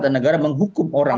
dan negara menghukum orang